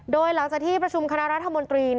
โดยหลังจากที่ประชุมคณะรัฐมนตรี